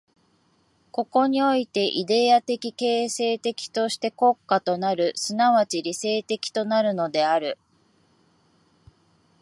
ここにおいてイデヤ的形成的として国家となる、即ち理性的となるのである。